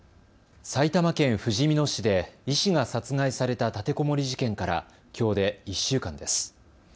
埼玉県ふじみ野市で医師が殺害された立てこもり事件から、きょうで１週間です。